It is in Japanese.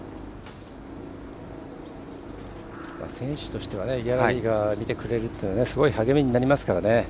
選手としてはギャラリーがいてくれるというのはすごい励みになりますからね。